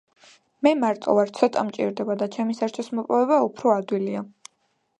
მე მარტო ვარ, ცოტა მჭირდება და ჩემი სარჩოს მოპოვება უფრო ადვილია